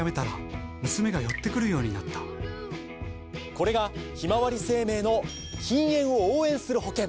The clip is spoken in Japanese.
これがひまわり生命の禁煙を応援する保険！